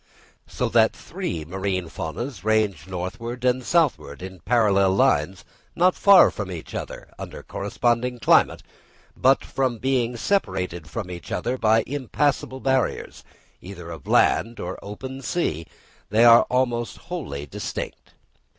So that three marine faunas range northward and southward in parallel lines not far from each other, under corresponding climate; but from being separated from each other by impassable barriers, either of land or open sea, they are almost wholly distinct.